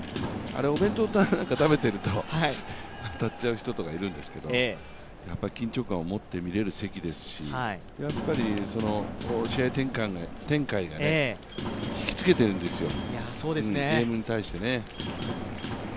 お弁当なんか食べていると当たっちゃう人とかいるんですけど、緊張感を持って見れる席ですし、試合展開が引きつけているんですよ、ゲームに対して。